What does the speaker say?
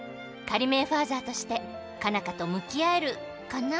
仮免ファーザーとして佳奈花と向き合えるカナ？